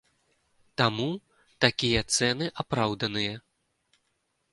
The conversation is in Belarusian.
Таму такія цэны апраўданыя.